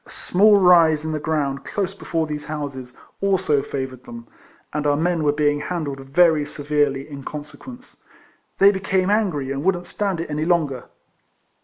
A small rise in the ground close before these houses, also favoured them; and our men were being handled very severely in consequence. They became angry, and wouldn't stand it any longer.